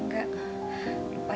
enggak deh enggak